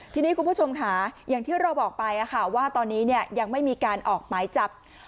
ทีนี้คุณผู้ชมค่ะอย่างที่เราบอกไปว่าตอนนี้ยังไม่มีการออกหมายจับ